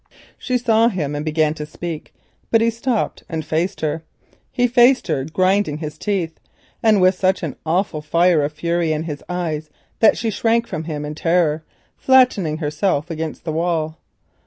She saw him and began to speak, but he stopped and faced her. He faced her, grinding his teeth, and with such an awful fire of fury in his eyes that she shrank from him in terror, flattening herself against the wall.